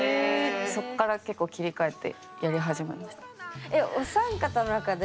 そっから結構切り替えてやり始めました。